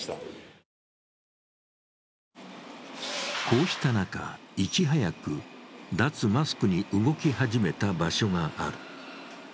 こうした中、いち早く脱マスクに動き始めた場所がある。